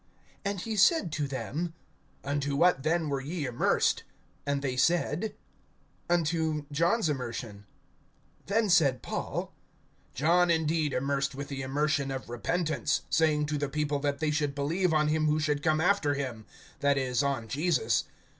(3)And he said to them: Unto what then were ye immersed? And they said: Unto John's immersion. (4)Then said Paul: John indeed immersed with the immersion of repentance; saying to the people, that they should believe on him who should come after him, that is, on Jesus.